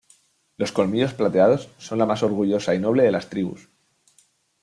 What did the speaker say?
Los Colmillos Plateados son la más orgullosa y noble de las tribus.